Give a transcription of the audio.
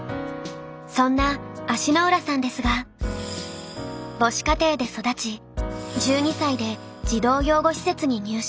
そんな足の裏さんですが母子家庭で育ち１２歳で児童養護施設に入所。